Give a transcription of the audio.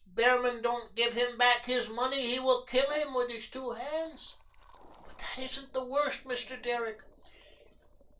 Behrman don't give him back his money, he will kill him with his two hands. But that isn't the worst, Mr. Derrick.